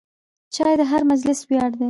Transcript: چای د هر مجلس ویاړ دی.